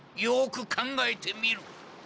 よく考えてみる。